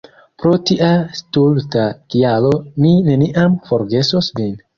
Pro tia stulta kialo mi neniam forgesos vin!